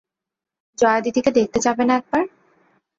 জয়াদিদিকে দেখতে যাবে না একবার?